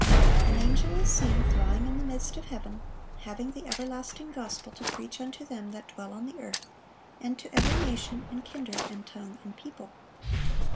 An angel is seen flying "in the midst of heaven, having the everlasting gospel to preach unto them that dwell on the earth, and to every nation, and kindred, and tongue, and people."